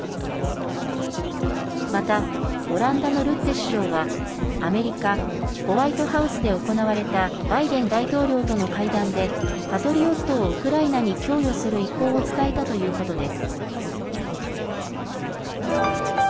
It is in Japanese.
また、オランダのルッテ首相はアメリカホワイトハウスで行われたバイデン大統領との会談で「パトリオット」をウクライナに供与する意向を伝えたということです。